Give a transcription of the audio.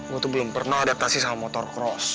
gue tuh belum pernah adaptasi sama motor cross